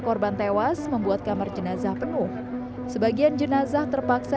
korban tewas membuat kamar jenazah penuh sebagian jenazah terpaksa